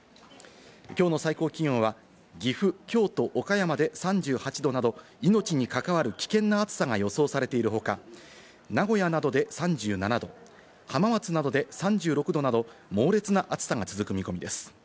きょうの最高気温は、岐阜、京都、岡山で３８度など命に関わる危険な暑さが予想されている他、名古屋などで３７度、浜松などで３６度など猛烈な暑さが続く見込みです。